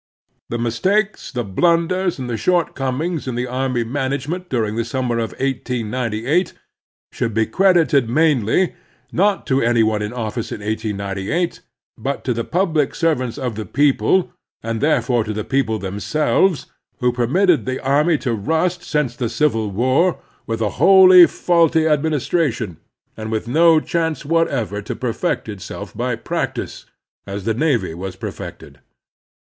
The mistakes, the bltmders, and the short comings in the army management during the sum mer of 1898 should be credited mainly, not to any one in office in 1898, but to the public servants of the people, and therefore to the people themselves, who permitted the army to rust since the Civil War with a wholly faulty administration, and with no chance whatever to perfect itself by practice, as the navy was perfected.